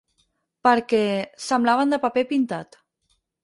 Per què, semblaven de paper pintat.